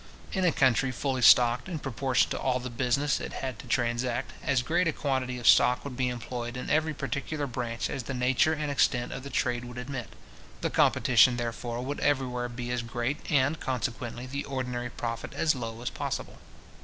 In a country fully stocked in proportion to all the business it had to transact, as great a quantity of stock would be employed in every particular branch as the nature and extent of the trade would admit. The competition, therefore, would everywhere be as great, and, consequently, the ordinary profit as low as possible.